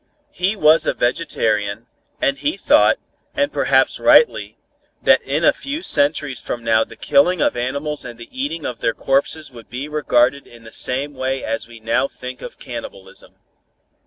He was a vegetarian, and he thought, and perhaps rightly, that in a few centuries from now the killing of animals and the eating of their corpses would be regarded in the same way as we now think of cannibalism.